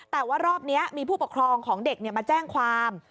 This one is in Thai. แต่ว่ารอบนี้มีผู้ปกครองของเด็กมาแจ้งความ